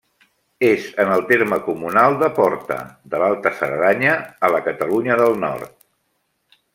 És en el terme comunal de Porta, de l'Alta Cerdanya, a la Catalunya del Nord.